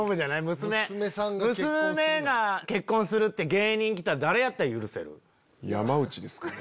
娘が結婚するって芸人来たら誰やったら許せる？